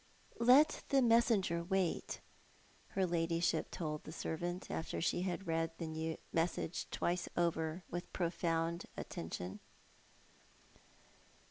" Let the messenger wait," her ladyship told the servant, after she had read the message twice over with profound attention.